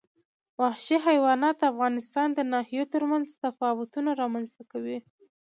وحشي حیوانات د افغانستان د ناحیو ترمنځ تفاوتونه رامنځ ته کوي.